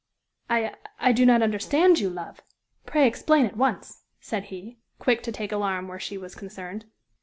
"I I do not understand you, love! Pray explain at once," said he, quick to take alarm where she was concerned.